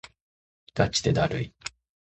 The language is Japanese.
がちでだるい